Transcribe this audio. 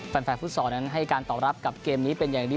แฟนแฟนฟู้ดศยังให้การตอบรับกับเกมนี้เป็นอย่างดี